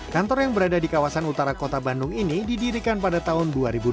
kantor yang berada di kawasan utara kota bandung ini didirikan pada tahun dua ribu dua belas